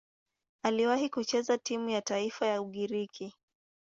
Aliwahi kucheza timu ya taifa ya Ugiriki.